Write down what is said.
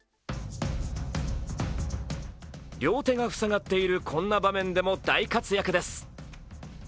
両手がふさがっているこんな場面でも大活躍です。